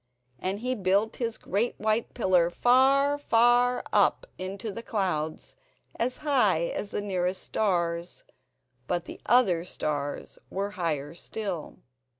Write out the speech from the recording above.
And he built his great white pillar far, far up into the clouds, as high as the nearest stars; but the other stars were higher still.